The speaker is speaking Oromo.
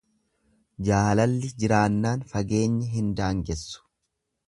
Jaalalli jiraannaan fageenyi hin daangessu.